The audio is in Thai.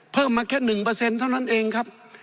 เพิ่มมาแค่๑เท่านั้นเองครับ